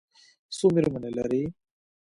څو مېرمنې لري؟